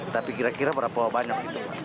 tapi kira kira berapa banyak